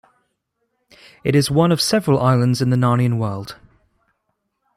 It is one of several lands in the Narnian world.